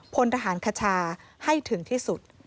พลทหารคชาให้ถึงที่สุด